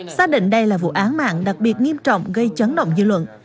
xác định đây là vụ án mạng đặc biệt nghiêm trọng gây chấn động dư luận